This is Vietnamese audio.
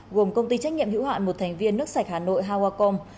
gồm công ty trách nhiệm hữu hạn một thành viên nước sạch hà nội hawacom